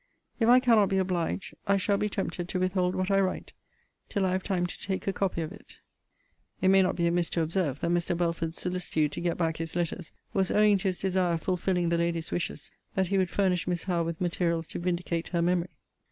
If I cannot be obliged, I shall be tempted to withhold what I write, till I have time to take a copy of it.* * It may not be amiss to observe, that Mr. Belford's solicitude to get back his letters was owing to his desire of fulfilling the lady's wishes that he would furnish Miss Howe with materials to vindicate her memory.